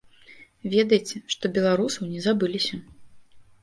Ведайце, што беларусаў не забыліся.